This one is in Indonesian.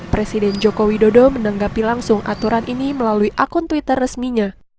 presiden joko widodo menanggapi langsung aturan ini melalui akun twitter resminya